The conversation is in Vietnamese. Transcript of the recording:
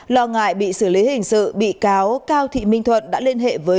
lo ngại bị xử lý hình sự bị cáo cao thị minh thuận đã liên hệ với